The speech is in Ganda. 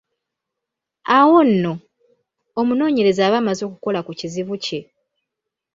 Awo nno, omunoonyereza aba amaze okukola ku kizibu kye.